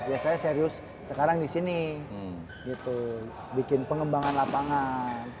ya saya serius sekarang di sini bikin pengembangan lapangan